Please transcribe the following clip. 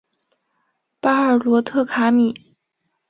巴尔罗特卡米。